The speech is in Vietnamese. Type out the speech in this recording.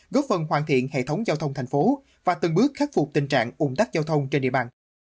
góp phần hoàn thiện hệ thống giao thông thành phố và từng bước khắc phục tình trạng ủng tắc giao thông trên địa bàn